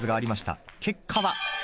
結果は。